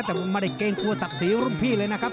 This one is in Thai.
แต่ไม่ได้เกรงกลัวศักดิ์ศรีรุ่นพี่เลยนะครับ